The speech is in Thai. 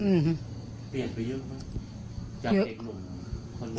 เปลี่ยนไปเยอะหรือเปล่า